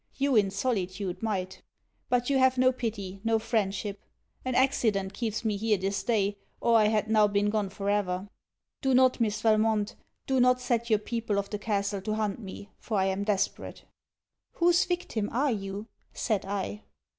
You in solitude might. But you have no pity, no friendship. An accident keeps me here this day, or I had now been gone for ever. Do not Miss Valmont, do not set your people of the castle to hunt me; for I am desperate.' 'Whose victim are you?' said I.